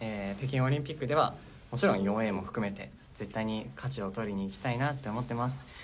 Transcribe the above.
北京オリンピックではもちろん４Ａも含めて、絶対に勝ちをとりにいきたいなって思ってます。